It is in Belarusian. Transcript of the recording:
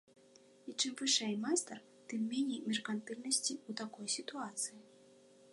І чым вышэй майстар, тым меней меркантыльнасці ў такой сітуацыі.